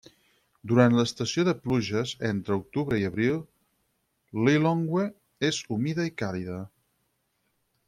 Durant l'estació de pluges, entre octubre i abril, Lilongwe és humida i càlida.